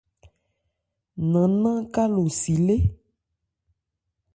Nannán ka wo si lé.